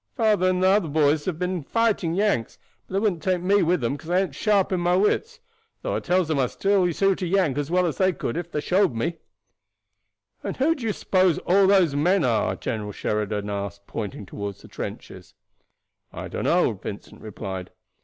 Father and the other boys they have gone fighting Yanks; but they wouldn't take me with them 'cause I ain't sharp in my wits, though I tells them I could shoot a Yank as well as they could if they showed me." "And who do you suppose all those men are?" General Sheridan asked, pointing toward the trenches. "I dunno," Vincent replied.